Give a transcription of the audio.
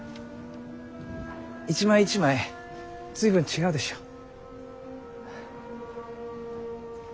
一枚一枚随分違うでしょう？